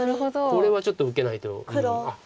これはちょっと受けないと。